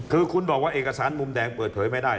คือคุณบอกว่าเอกสารมุมแดงเปิดเผยไม่ได้